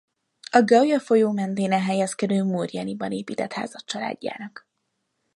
A Gauja folyó mentén elhelyezkedő Murjani-ban épített házat családjának.